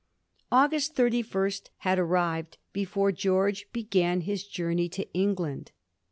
August 31 had arrived before George began hi& journey to England.